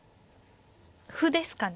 歩ですかね。